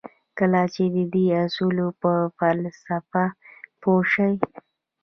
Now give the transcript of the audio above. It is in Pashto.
کله چې د دې اصولو پر فلسفه پوه شئ.